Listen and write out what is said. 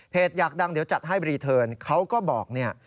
อยากดังเดี๋ยวจัดให้รีเทิร์นเขาก็บอกเนี่ย